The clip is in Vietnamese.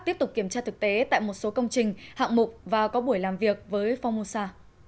tiếp tục kiểm tra thực tế tại một số công trình hạng mục và có buổi làm việc với phongmosa